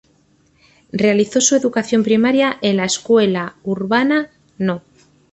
Realizó su educación primaria en la Escuela Urbana No.